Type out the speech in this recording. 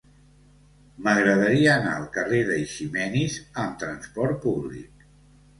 M'agradaria anar al carrer d'Eiximenis amb trasport públic.